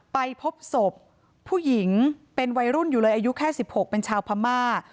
ไปพบศพผู้หญิงเป็นวัยรุ่นอยู่เลยอายุแค่๑๖เป็นชาวพม่า